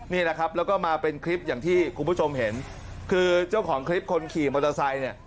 นี่แหละครับแล้วก็มาเป็นคลิปอย่างที่คุณผู้ชมเห็นคือเจ้าของคลิปคนขี่มอเตอร์ไซค์เนี่ย